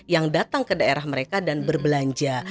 yang datang ke daerah mereka dan berbelanja